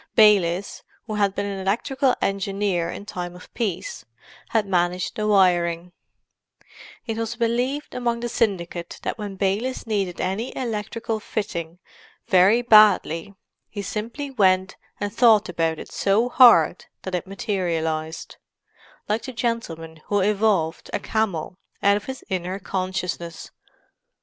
Baylis, who had been an electrical engineer in time of peace, had managed the wiring; it was believed among the syndicate that when Baylis needed any electric fitting very badly he simply went and thought about it so hard that it materialized, like the gentleman who evolved a camel out of his inner consciousness.